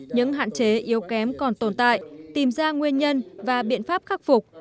những hạn chế yếu kém còn tồn tại tìm ra nguyên nhân và biện pháp khắc phục